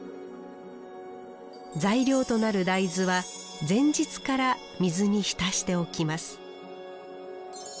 材料となる大豆は前日から水に浸しておきます